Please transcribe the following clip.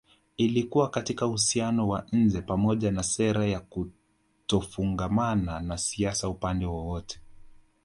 Ilikuwa katika uhusiano wa nje pamoja na sera ya kutofungamana na siasa upande wowote